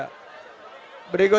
bapak anies rasid baswedan